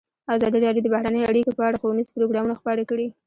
ازادي راډیو د بهرنۍ اړیکې په اړه ښوونیز پروګرامونه خپاره کړي.